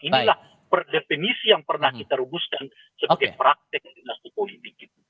inilah definisi yang pernah kita rumuskan sebagai praktek dinasti politik